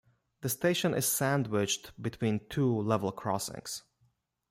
The station is sandwiched between two level crossings.